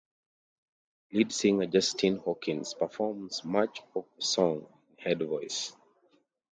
Lead singer Justin Hawkins performs much of the song in head voice.